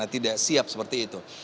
karena tidak siap seperti itu